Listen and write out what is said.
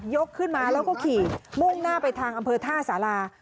ขึ้นมาแล้วก็ขี่มุ่งหน้าไปทางอำเภอท่าสารา